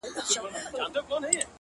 د تجربې رڼا لاره اسانه کوي